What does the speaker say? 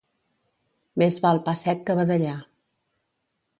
Més val pa sec que badallar.